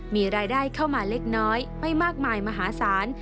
มีรายได้เข้ามาเล็กน้อยไม่มากมายมหาศาล